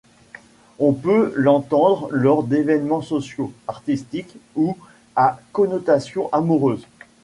On peut l'entendre lors d'évènements sociaux, artistiques ou à connotation amoureuse.